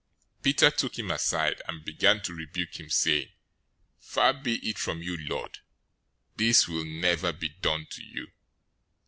016:022 Peter took him aside, and began to rebuke him, saying, "Far be it from you, Lord! This will never be done to you."